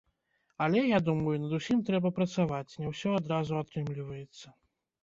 Але, я думаю, над усім трэба працаваць, не ўсё адразу атрымліваецца.